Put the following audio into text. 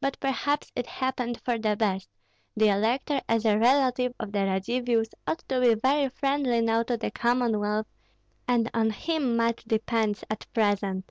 But perhaps it happened for the best; the elector as a relative of the Radzivills ought to be very friendly now to the Commonwealth, and on him much depends at present.